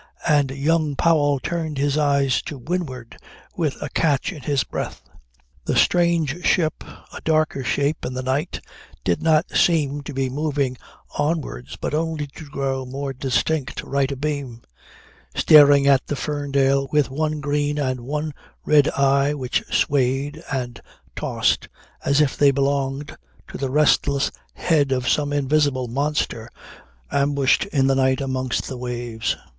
And young Powell turned his eyes to windward with a catch in his breath. The strange ship, a darker shape in the night, did not seem to be moving onwards but only to grow more distinct right abeam, staring at the Ferndale with one green and one red eye which swayed and tossed as if they belonged to the restless head of some invisible monster ambushed in the night amongst the waves.